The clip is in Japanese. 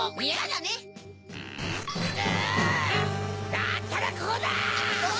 だったらこうだ！